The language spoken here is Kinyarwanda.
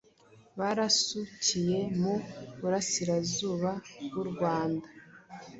Barasukiye mu Burasirazuba bw’u Rwanda